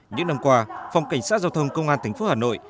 những năm qua phòng cảnh sát giao thông công an thành phố hà nội